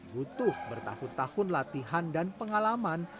butuh bertahun tahun latihan dan pengalaman